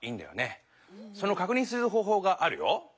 そのかくにんする方ほうがあるよ。